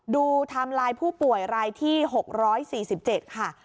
ไทม์ไลน์ผู้ป่วยรายที่๖๔๗ค่ะ